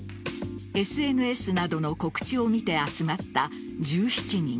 ＳＮＳなどの告知を見て集まった１７人。